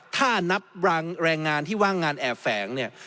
ถ้านับแรงงานที่ว่างงานแอบแฝงเนี่ย